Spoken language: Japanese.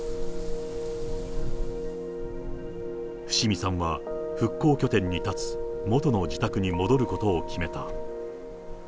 伏見さんは復興拠点に立つ元の自宅に戻ることを決めた。